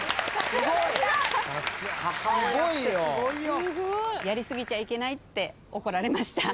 すごい！やり過ぎちゃいけないって怒られました。